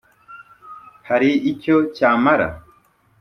Hari icyo cyamara?